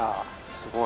すごい。